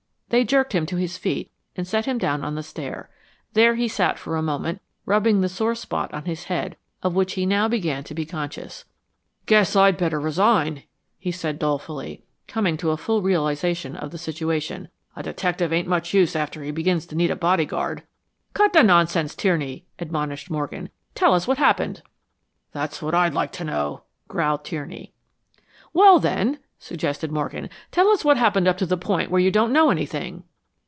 They jerked him to his feet and set him down on the stair. There he sat for a moment, rubbing the sore spot on his head, of which he now began to be conscious. "Guess I'd better resign," he said, dolefully, coming to a full realization of the situation. "A detective ain't much use after he begins to need a bodyguard." "Cut the nonsense, Tierney," admonished Morgan. "Tell us what happened." "That's what I'd like to know," growled Tierney. "Well then," suggested Morgan, "tell us what happened up to the point where you don't know anything."